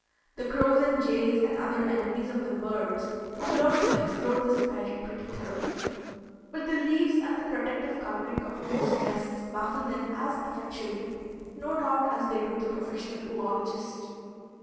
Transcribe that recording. The crows and jays and other enemies of the birds have learned to explore this belt pretty thoroughly. But the leaves and the protective coloring of most nests baffle them as effectually, no doubt as they do the professional oölogist.